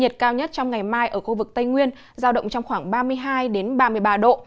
tại khu vực nam bộ trong khoảng ba mươi ba ba mươi bốn độ